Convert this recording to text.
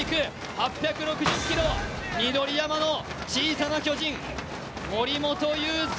８６０ｋｇ、緑山の小さな巨人、森本裕介。